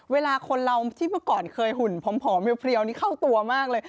เวลาคนเราที่เมื่อก่อนเคยหุ่นผอมเพลียวนี่เข้าตัวมากเลย